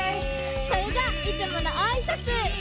それじゃあいつものあいさつ！